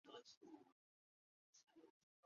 拉芒辛讷人口变化图示